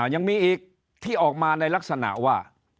ยังมีอีกที่ออกมาในลักษณะว่า